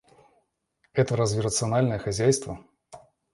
Это разве рациональное хозяйство?